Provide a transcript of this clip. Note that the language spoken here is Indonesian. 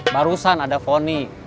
barusan ada fonny